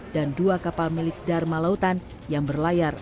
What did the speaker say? dua kapal milik dharma lautan yang berlayar